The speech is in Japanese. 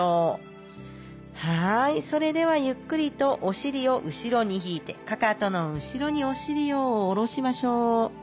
はいそれではゆっくりとお尻を後ろに引いてかかとの後ろにお尻を下ろしましょう。